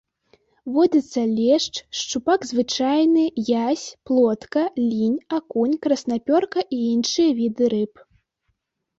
Водзяцца лешч, шчупак звычайны, язь, плотка, лінь, акунь, краснапёрка і іншыя віды рыб.